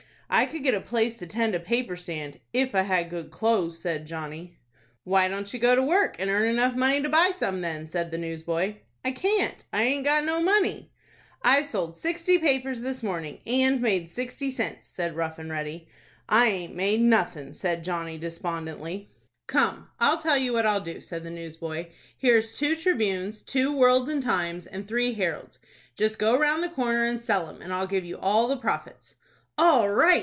"I could get a place to tend a paper stand, if I had good clo'es," said Johnny. "Why don't you go to work and earn enough money to buy some, then?" said the newsboy. "I can't. I aint got no money." "I've sold sixty papers this morning, and made sixty cents," said Rough and Ready. "I aint made nothing," said Johnny, despondently. "Come, I'll tell you what I'll do," said the newsboy. "Here's two 'Tribunes,' two 'Worlds' and 'Times' and three 'Heralds.' Just go round the corner, and sell 'em, and I'll give you all the profits." "All right!"